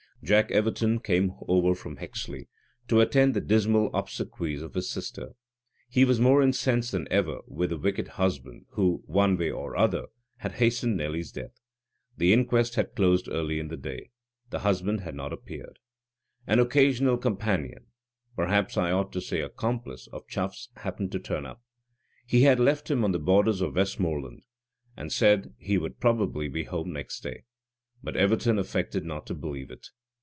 Jack Everton came over from Hexley to attend the dismal obsequies of his sister. He was more incensed than ever with the wicked husband, who, one way or other, had hastened Nelly's death. The inquest had closed early in the day. The husband had not appeared. An occasional companion perhaps I ought to say accomplice of Chuff's happened to turn up. He had left him on the borders of Westmoreland, and said he would probably be home next day. But Everton affected not to believe it.